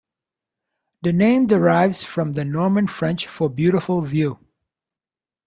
The name derives from the Norman-French for "beautiful view".